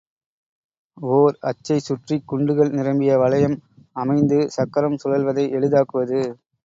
ஒர் அச்சைச் சுற்றிக் குண்டுகள் நிரம்பிய வளையம் அமைந்து சக்கரம் சுழல்வதை எளிதாக்குவது.